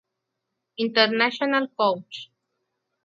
International Coach.